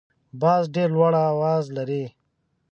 باز ډیر لوړ اواز لري